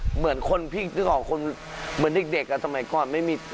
เหมือนคนพี่นึกออกคนเหมือนเด็กอ่ะสมัยก่อนไม่มี